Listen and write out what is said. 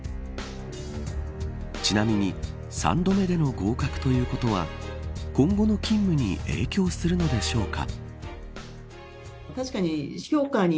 ちなみに３度目での合格ということは今後の勤務に影響するのでしょうか。